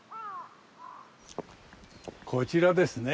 こちらですね。